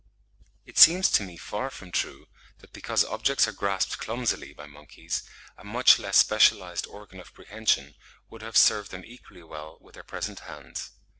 It seems to me far from true that because "objects are grasped clumsily" by monkeys, "a much less specialised organ of prehension" would have served them (70. 'Quarterly Review,' April 1869, p. 392.) equally well with their present hands.